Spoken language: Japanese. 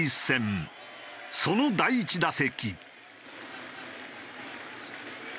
その第１打席。